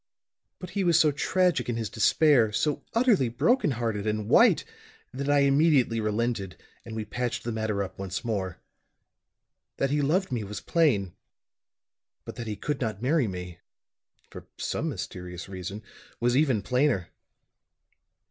But he was so tragic in his despair so utterly broken hearted and white that I immediately relented and we patched the matter up once more. That he loved me was plain; but that he could not marry me for some mysterious reason was even plainer.